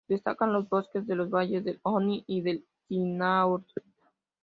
Destacan los bosques de los valles del Hoh y del Quinault.